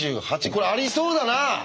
これありそうだな！